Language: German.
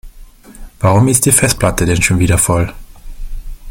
Warum ist die Festplatte denn schon wieder voll?